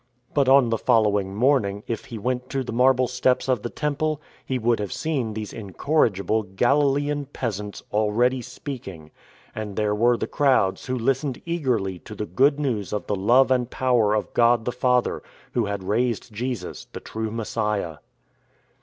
But on the following morning, if he went to the marble steps of the Temple, he would have seen these incorrigible Galilean peasants already speaking. And there were the crowds, who listened eagerly to the Good News of the love and power of God the Father, Who had raised Jesus, the true Messiah.